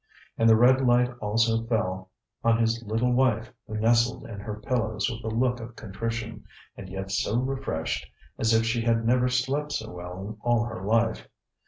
And the red light also fell on his little wife who nestled in her pillows with a look of contrition, and yet so refreshed as if she had never slept so well in all her life.